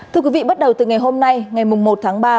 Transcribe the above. thưa quý vị bắt đầu từ ngày hôm nay ngày một tháng ba